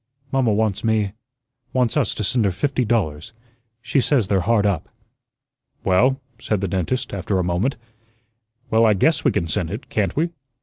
Mamma wants me wants us to send her fifty dollars. She says they're hard up." "Well," said the dentist, after a moment, "well, I guess we can send it, can't we?"